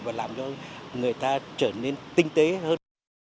và làm cho người ta trở nên tinh tế hơn